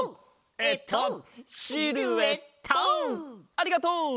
ありがとう！